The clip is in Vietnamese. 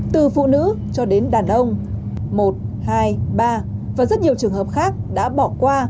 từ phụ nữ cho đến đàn ông một hai ba và rất nhiều trường hợp khác đã bỏ qua